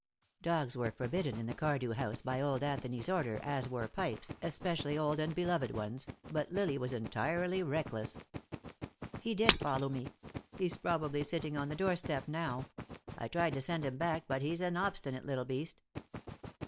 Dogs were forbidden in the Cardew house, by old Anthony's order, as were pipes, especially old and beloved ones, but Lily was entirely reckless. "He did follow me. He's probably sitting on the doorstep now. I tried to send him back, but he's an obstinate little beast."